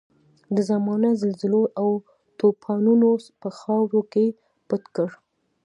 د زمانې زلزلو او توپانونو په خاورو کې پټ کړ.